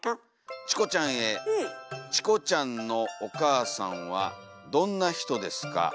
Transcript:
「ちこちゃんへちこちゃんのおかあさんはどんなひとですか？